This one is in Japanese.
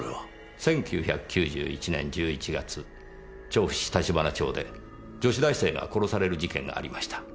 １９９１年１１月調布市橘町で女子大生が殺される事件がありました。